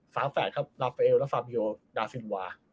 ฝาแฝดครับลาเฟลและฟาบิลดาซินวา